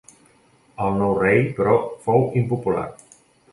El nou rei però fou impopular.